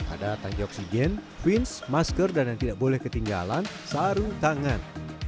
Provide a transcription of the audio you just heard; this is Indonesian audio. ada tangki oksigen fins masker dan yang tidak boleh ketinggalan sarung tangan